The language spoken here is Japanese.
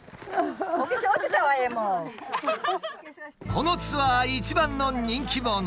このツアー一番の人気者